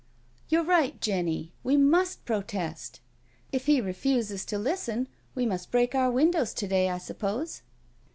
*• You're right, Jenny— we must protest. If he re fuses to listen we must break our windows to day, I suppose?"